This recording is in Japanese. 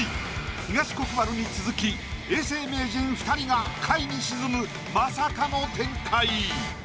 東国原に続き永世名人２人が下位に沈むまさかの展開！